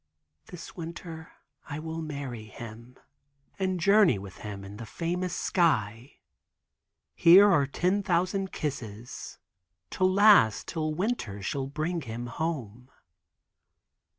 This winter I will marry him and journey with him in the famous sky. Here are ten thousand kisses to last till winter shall bring him home."